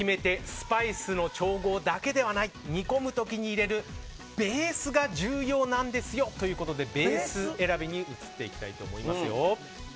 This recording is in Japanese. スパイスの調合だけではない煮込む時に入れるベースが重要ですよとベース選びに移っていきたいと思います。